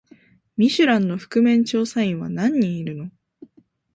ミシュランの覆面調査員は何人いるの？